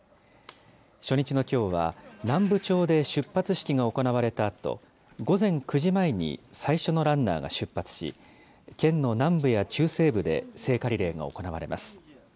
初日のきょうは、南部町で出発式が行われたあと、午前９時前に最初のランナーが出発し、県の南部や中西部で聖火リレーが行われます。